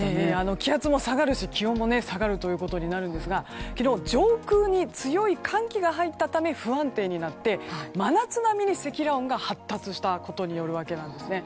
気圧も下がるし気温も下がることになるんですが昨日、上空に強い寒気が入ったため、不安定になって真夏並みに積乱雲が発達したことによるわけです。